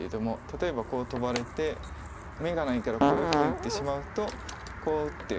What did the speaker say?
例えばこうトバれて眼がないからこういうふうに打ってしまうとこう打って。